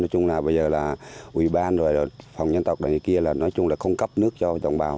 nói chung là bây giờ là ủy ban phòng nhân tộc đằng kia là nói chung là không cấp nước cho đồng bào